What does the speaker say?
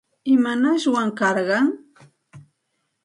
¿Imanashwan karqan?